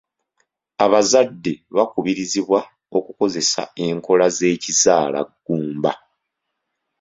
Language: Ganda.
Abazadde bakubirizibwa okukozesa enkola z'ekizaalaggumba.